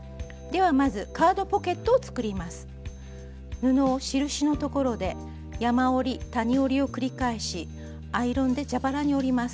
布を印のところで山折り谷折りを繰り返しアイロンで蛇腹に折ります。